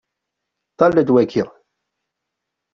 Ṭṭal-d waki.